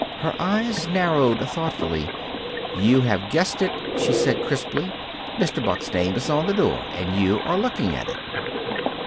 Her eyes narrowed thoughtfully. "You have guessed it," she said crisply. "Mr. Buck's name is on the door, and you are looking at it."